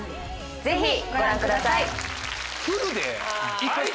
ぜひご覧ください。